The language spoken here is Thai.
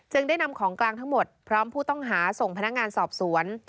ได้นำของกลางทั้งหมดพร้อมผู้ต้องหาส่งพนักงานสอบสวน